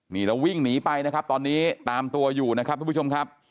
นี่แล้ววิ่งหนีไปนะครับตอนนี้ตามตัวอยู่นะครับทุกผู้ชมครับ